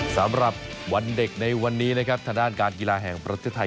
สำหรับวันเด็กในวันนี้นะครับทางด้านการกีฬาแห่งประเทศไทย